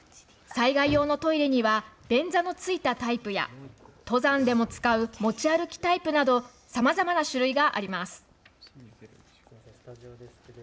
災害用のトイレには便座のついたタイプや登山でも使う持ち歩きタイプなどさまざまな種類があります。